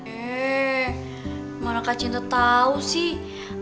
eh mana kak cinta tahu sih